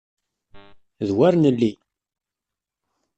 D wer nelli!